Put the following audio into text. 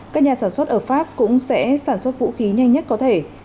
các nhà sản xuất ở pháp cũng sẽ sản xuất vũ khí nhanh nhất có thể